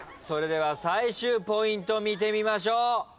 それでは最終ポイント見てみましょう。